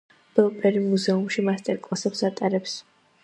ბილ პერი მუზეუმში მასტერკლასებს ატარებს.